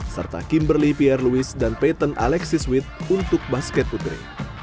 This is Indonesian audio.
serta kimberly pierre louis dan peyton alexis witt untuk basket putri